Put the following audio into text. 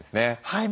はい。